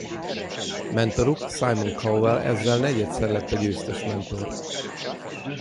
Mentoruk Simon Cowell ezzel negyedszer lett a győztes mentor.